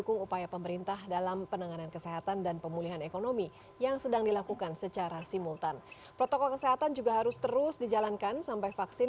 kementerian kesehatan indonesia ibu siti nadia tarmizi